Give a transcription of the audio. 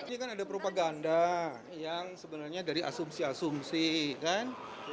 ini kan ada propaganda yang sebenarnya dari asumsi asumsi kan